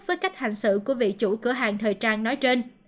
với cách hành sự của vị chủ cửa hàng thời trang nói trên